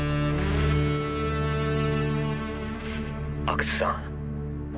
阿久津さん